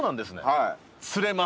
はい。